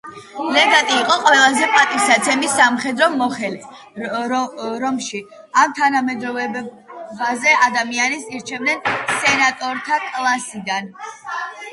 ლეგატი იყო ყველაზე პატივსაცემი სამხედრო მოხელე რომში, ამ თანამდებობაზე ადამიანებს ირჩევდნენ სენატორთა კლასიდან.